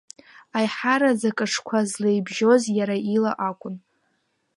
Аиҳараӡак аҽқәа злеибжьоз иара ила акәын.